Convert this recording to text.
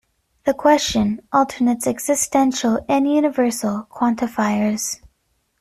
The question alternates existential and universal quantifiers.